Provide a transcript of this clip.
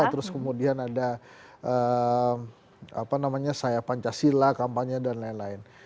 terus kemudian ada apa namanya saya pancasila kampanye dan lain lain